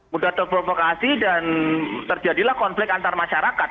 mudah terprovokasi dan terjadilah konflik antar masyarakat